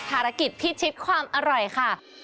ภารกิจพิชิตความอร่อยค่ะ